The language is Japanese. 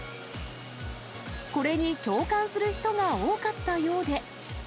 これに共感する人が多かったようで。